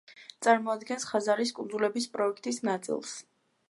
წარმოადგენს ხაზარის კუნძულების პროექტის ნაწილს.